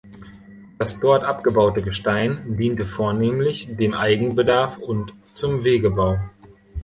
Das dort abgebaute Gestein diente vornehmlich dem Eigenbedarf und zum Wegebau.